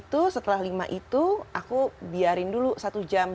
itu setelah lima itu aku biarin dulu satu jam